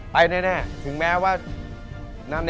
กินไปแน่ถึงแม้ว่าน้า